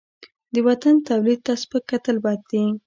د وطن تولید ته سپک کتل بد دي.